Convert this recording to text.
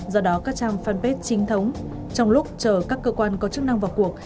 do đó các trang fanpage chính thống trong lúc chờ các cơ quan có chức năng vào cuộc